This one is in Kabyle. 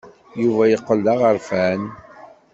Yuba yeqqel d aɣerfan.